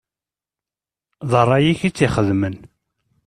D ṛṛay-ik i tt-ixedmen.